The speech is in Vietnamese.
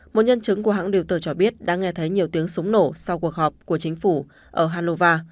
một nhân chứng của hãng điều tờ cho biết đã nghe thấy nhiều tiếng súng nổ sau cuộc họp của chính phủ ở hanlova